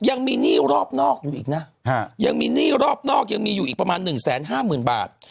ยังมีหนี้รอบนอกอยู่อีกนะยังมีหนี้รอบนอกยังมีอยู่อีกประมาณ๑๕๐๐๐บาท